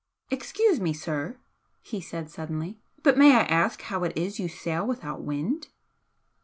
"Excuse me, sir," he said, suddenly "but may I ask how it is you sail without wind?"